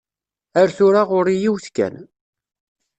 Ar tura, ɣur-i yiwet kan.